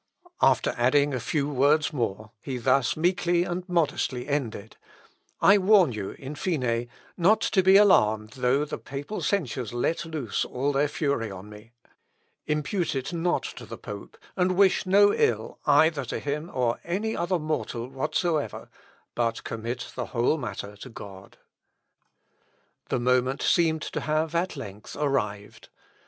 After adding a few words more, he thus meekly and modestly ended: "I warn you, in fine, not to be alarmed though the papal censures let loose all their fury on me. Impute it not to the pope, and wish no ill either to him or any other mortal whatsoever, but commit the whole matter to God." "Deo rem committerent." (Ibid., p. 191.) The moment seemed to have at length arrived.